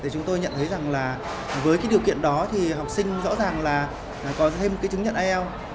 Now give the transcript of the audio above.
chúng tôi nhận thấy rằng với điều kiện đó học sinh rõ ràng là có thêm chứng nhận ielts